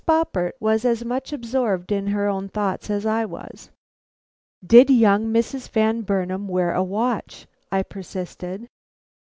Boppert was as much absorbed in her own thoughts as I was. "Did young Mrs. Van Burnam wear a watch?" I persisted. Mrs.